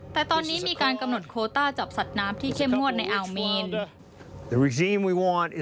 แต่ตอนนี้มีการกำหนดโคต้าจับสัตว์น้ำที่เข้มงวดในอ่าวเมนด้วย